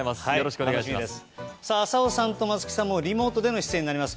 浅尾さんと松木さんもリモートでの出演となります。